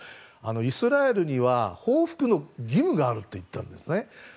イスラエルには報復の義務があると言ったんですね。